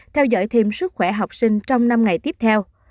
theo dõi thêm sức khỏe học sinh trong năm ngày tiếp theo